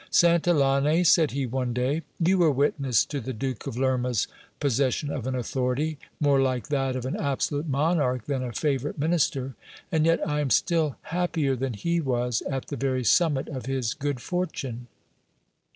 Santillane, said he one day, you were witness to the Duke of Lerma's pos session of an authority, more like that of an absolute monarch than a favourite minister ; and yet I am still happier than he was at the very summit of his good fortune.